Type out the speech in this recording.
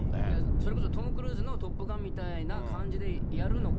それこそトム・クルーズのトップガンみたいな感じでやるのか。